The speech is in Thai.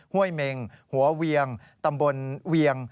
ห้วยเมงหัวเวียงตำบลเวียง